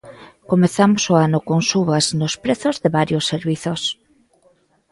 Comezamos o ano con subas nos prezos de varios servizos.